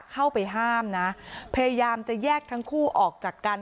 เข้าไปห้ามนะพยายามจะแยกทั้งคู่ออกจากกัน